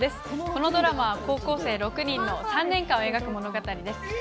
このドラマは高校生６人の３年間を描く物語です。